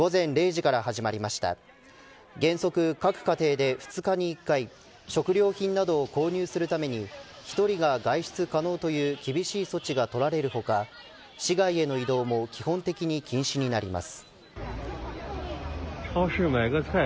原則、各家庭で２日に１回食料品などを購入するために１人が外出可能という厳しい措置が取られる他市外への移動も基本的に禁止になります。